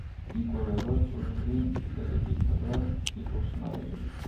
იკვებება წვრილი მწერებითა და კიბოსნაირებით.